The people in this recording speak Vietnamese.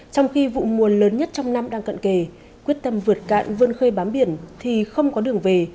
trong khi vụ mùa lớn nhất trong năm đang cận kề quyết tâm vượt cạn vươn khơi bám biển thì không có đường về